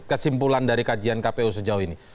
kesimpulan dari kajian kpu sejauh ini